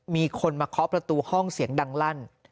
มีคนมาเคาะประตูห้องเสียงดังลั่น